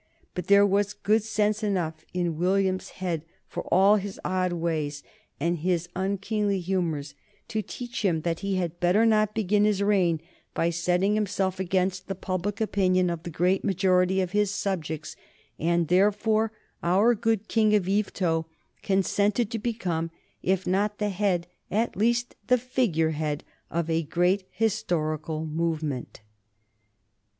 But there was good sense enough in William's head, for all his odd ways and his unkingly humors, to teach him that he had better not begin his reign by setting himself against the public opinion of the great majority of his subjects, and therefore our good King of Yvetot consented to become, if not the head, at least the figure head of a great historical movement.